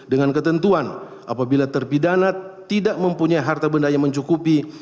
dengan ketentuan apabila terpidanat tidak mempunyai harta bendanya mencukupi